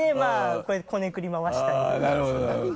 こうやってこねくり回したりとか。